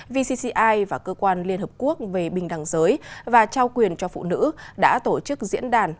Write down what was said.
vcci và cơ quan liên hợp quốc về bình đẳng giới và trao quyền cho phụ nữ đã tổ chức diễn đàn